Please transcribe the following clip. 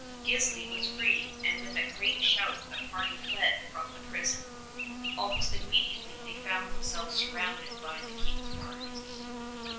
Gisli was free, and with a great shout the party fled from the prison. Almost immediately they found themselves surrounded by the King's guard.